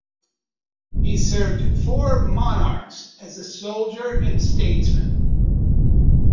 He served four monarchs as a soldier and statesman.